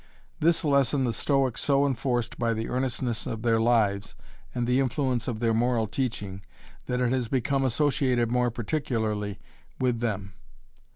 This lesson the Stoics so enforced by the earnestness of their lives and the influence of their moral teaching that it has become associated more particularly with them.